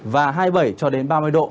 và hai mươi bảy cho đến ba mươi độ